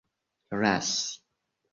lasi